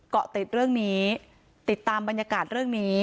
เกาะติดเรื่องนี้ติดตามบรรยากาศเรื่องนี้